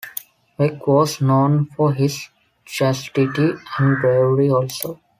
Bek was known for his chastity and bravery also.